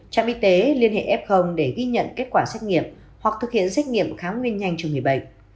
trạm y tế liên hệ f để ghi nhận kết quả xét nghiệm hoặc thực hiện xét nghiệm kháng nguyên nhanh cho người bệnh